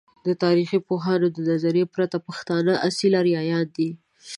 د تاریخ پوهانو د نظر پرته ، پښتانه اصیل آریایان دی!